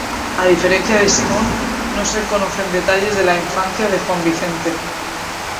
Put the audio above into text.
A diferencia de Simón, no se conocen detalles de la infancia de Juan Vicente.